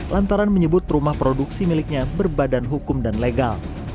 lantaran menyebut rumah produksi miliknya berbadan hukum dan legal